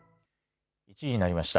１時になりました。